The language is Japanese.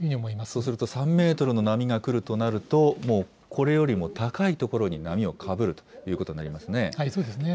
そうすると３メートルの波が来るとなると、もうこれよりも高い所に波をかぶるということになりますね。